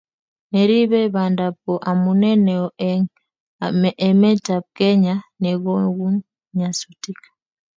Ne ribei bandap ko amune neo eng emetab Kenya nekonu nyasutik